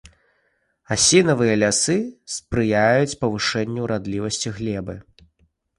Асінавыя лясы спрыяюць павышэнню ўрадлівасці глебы.